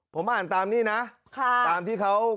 ผมอ่านตามนี่นะตามที่เขา